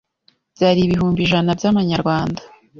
byari ibihumbi ijana byamanyarwanda